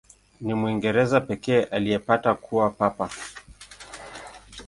Ni Mwingereza pekee aliyepata kuwa Papa.